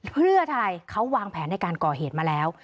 เพื่ออะไรเขาวางแผนในการก่อเหตุมาแล้ว